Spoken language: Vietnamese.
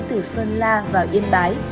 từ sơn la vào yên bái